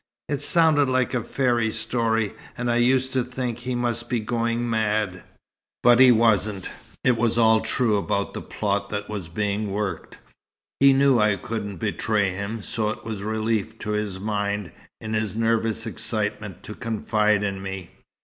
It sounded like a fairy story, and I used to think he must be going mad. But he wasn't. It was all true about the plot that was being worked. He knew I couldn't betray him, so it was a relief to his mind, in his nervous excitement, to confide in me."